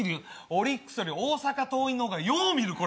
オリックスより大阪桐蔭の方がよう見る。